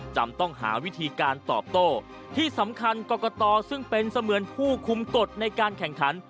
จำต้องหาวิธีการตอบโต้ที่สำคัญกรกตซึ่งเป็นเสมือนผู้คุมกฎในการแข่งขัน